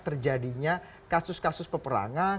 terjadinya kasus kasus peperangan